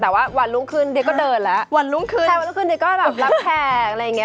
แต่ว่าวันรุ่งขึ้นเดียก็เดินแล้ววันรุ่งขึ้นใช่วันรุ่งขึ้นเดียก็แบบรับแขกอะไรอย่างเงี้